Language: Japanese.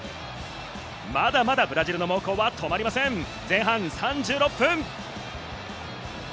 まだまだブラジルの猛攻は止まりません、前半３６分。